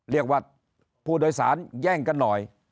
เรียกว่าผู้โดยสารแย่งกันหน่อย